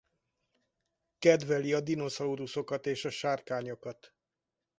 Kedveli a dinoszauruszokat és a sárkányokat.